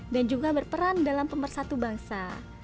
dan juga berperan dalam pemersatu bangsa